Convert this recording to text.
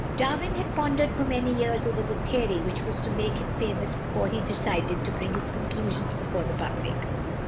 Darwin had pondered for many years over the theory which was to make him famous before he decided to bring his conclusions before the public.